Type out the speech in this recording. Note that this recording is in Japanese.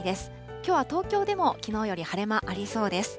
きょうは東京でもきのうより晴れ間ありそうです。